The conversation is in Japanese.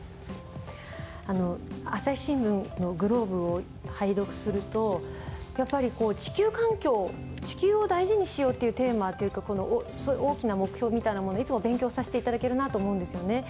『朝日新聞ＧＬＯＢＥ』を拝読するとやっぱりこう地球環境地球を大事にしようというテーマというかそういう大きな目標みたいなものをいつも勉強させて頂けるなと思うんですよね。